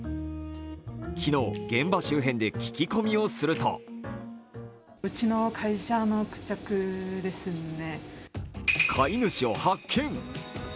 昨日、現場周辺で聞き込みをすると飼い主を発見。